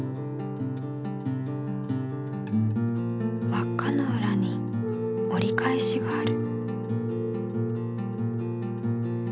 わっかのうらに折り返しがある。